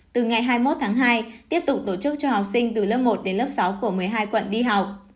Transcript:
từ ngày hai mươi một hai tiếp tục tổ chức cho học sinh từ lớp một sáu của một mươi hai quận đi học